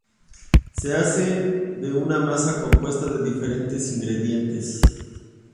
Se hacen de una masa compuesta de diferentes ingredientes.